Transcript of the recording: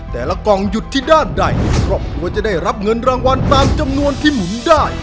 กล่องหยุดที่ด้านใดครอบครัวจะได้รับเงินรางวัลตามจำนวนที่หมุนได้